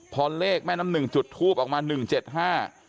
พอเลขแม่น้ำหนึ่งจุดทูปออกมาหนึ่งเจ็ดห้า